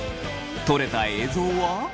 撮れた映像は？